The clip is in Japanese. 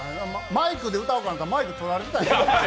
マイクで歌おうかと思ったらマイク取られてたんや。